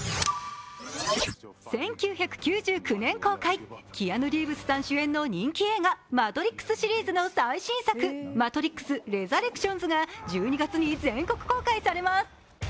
１９９９年公開、キアヌ・リーブスさん主演の人気映画「マトリックス」シリーズの最新作「マトリックスレザレクションズ」が１２月に全国公開されます。